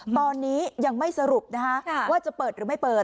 ตอนนี้ยังไม่สรุปนะคะว่าจะเปิดหรือไม่เปิด